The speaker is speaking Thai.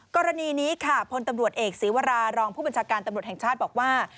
กรณีนี้ค่ะพลตำรวจเอกศีวรารองผู้บัญชาการตำรวจแห่งชาติบอกว่า